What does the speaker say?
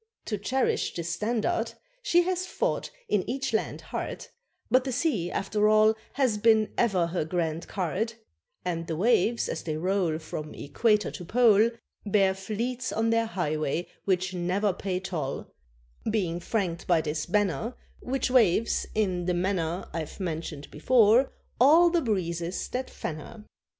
To cherish this standard She has fought, in each land, hard, But the sea, after all, has been ever her grand card; And the waves, as they roll From equator to pole, Bear fleets on their highway which never pay toll, Being franked by this banner, Which waves, in the manner I've mentioned before, all the breezes that fan her.